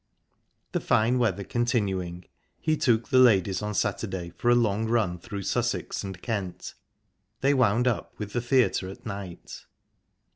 The fine weather continuing, he took the ladies on Saturday for a long run through Sussex and Kent. They wound up with the theatre at night.